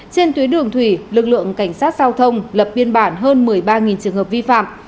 trên tuyến đường thủy lực lượng cảnh sát giao thông lập biên bản hơn một mươi ba trường hợp vi phạm